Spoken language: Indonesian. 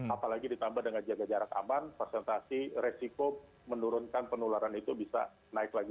apalagi ditambah dengan jaga jarak aman presentasi resiko menurunkan penularan itu bisa naik lagi